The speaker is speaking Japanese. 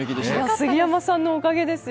杉山さんのおかげですよ。